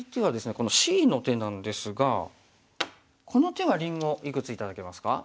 このＣの手なんですがこの手はりんごいくつ頂けますか？